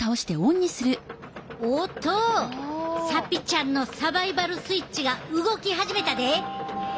おっとサピちゃんのサバイバル・スイッチが動き始めたで。